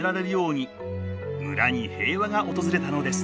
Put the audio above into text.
村に平和が訪れたのです。